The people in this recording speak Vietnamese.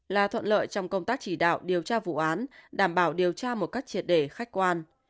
là thuận lợi trong công tác chỉ đạo điều tra vụ án đảm bảo điều tra một cách triệt để khách quan